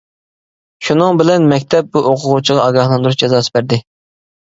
شۇنىڭ بىلەن مەكتەپ بۇ ئوقۇغۇچىغا ئاگاھلاندۇرۇش جازاسى بەردى.